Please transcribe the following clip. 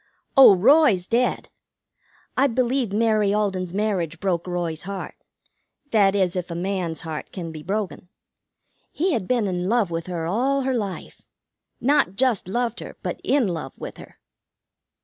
"Oh, Roy's dead. I believe Mary Alden's marriage broke Roy's heart; that is, if a man's heart can be broken. He had been in love with her all her life. Not just loved her, but in love with her.